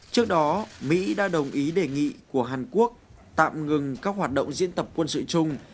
trước đó mỹ đã đồng ý đề nghị của hàn quốc tạm ngừng các hoạt động diễn tập quân sự chung